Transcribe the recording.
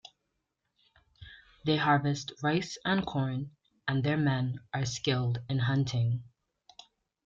They harvest rice and corn and their men are skilled in hunting.